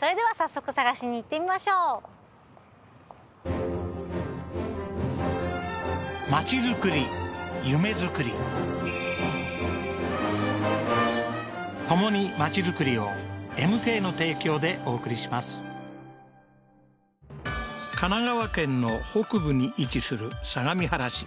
それでは早速探しに行ってみましょう神奈川県の北部に位置する相模原市